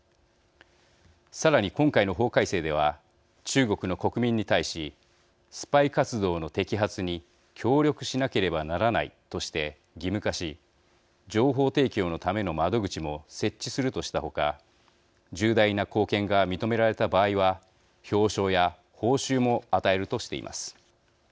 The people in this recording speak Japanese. さらに今回の法改正では中国の国民に対しスパイ活動の摘発に協力しなければならないとして義務化し情報提供のための窓口も設置するとしたほか重大な貢献が認められた場合は表彰や報奨も与えるとしています。